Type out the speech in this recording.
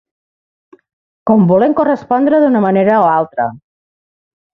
Com volent correspondre d'una manera o altra